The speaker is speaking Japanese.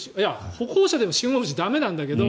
歩行者でも信号無視は駄目なんだけど。